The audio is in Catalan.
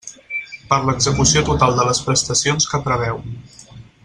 Per l'execució total de les prestacions que preveu.